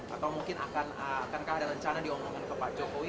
atau mungkin akankah ada rencana diomongkan ke pak jokowi